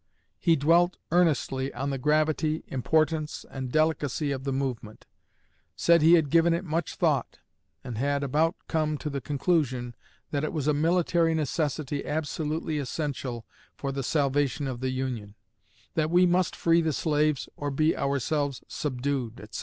He dwelt earnestly on the gravity, importance, and delicacy of the movement; said he had given it much thought, and had about come to the conclusion that it was a military necessity absolutely essential for the salvation of the Union; that we must free the slaves or be ourselves subdued, etc....